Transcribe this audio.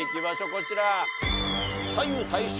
こちら。